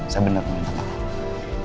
saya bener bener minta maaf